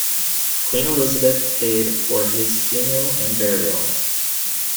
Queen Elizabeth paid for his funeral and burial.